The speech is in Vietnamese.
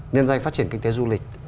nhân doanh phát triển kinh tế du lịch